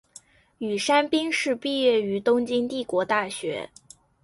宇山兵士毕业于东京帝国大学。